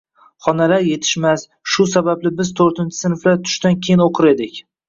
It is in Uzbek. Xonalar yetishmas, shu sababli biz toʻrtinchi sinflar tushdan keyin oʻqir edik.